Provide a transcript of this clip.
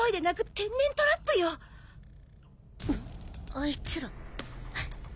あいつら。